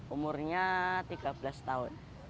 umurnya tiga belas tahun